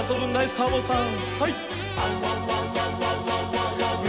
サボさん。